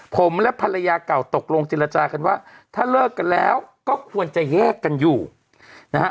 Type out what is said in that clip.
ผมและภรรยาเก่าตกลงเจรจากันว่าถ้าเลิกกันแล้วก็ควรจะแยกกันอยู่นะฮะ